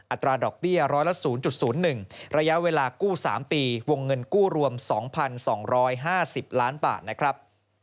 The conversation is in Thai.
อัตราดอกเบี้ยร้อยละ๐๐๑ระยะเวลากู้๓ปีวงเงินกู้รวม๒๒๕๐ล้านบาทนะครับ